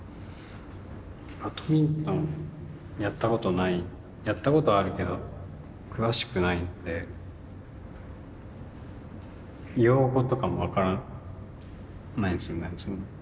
バドミントンやったことあるけど詳しくないので用語とかも分からないですね。